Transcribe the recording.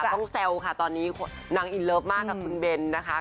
แซวค่ะตอนนี้นางอินเลิฟมากกับคุณเบนนะคะ